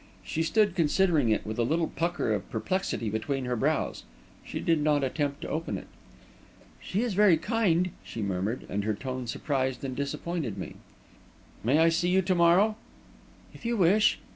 She stood considering it with a little pucker of perplexity between her brows. She did not attempt to open it. "She is very kind," she murmured, and her tone surprised and disappointed me. "May I see you to morrow?" "If you wish."